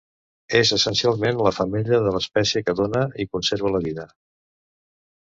És essencialment la femella de l'espècie que dona i conserva la vida.